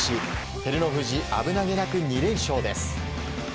照ノ富士、危なげなく２連勝です。